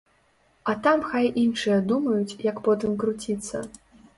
А там хай іншыя думаюць, як потым круціцца.